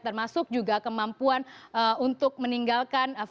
termasuk juga kemampuan untuk meninggalkan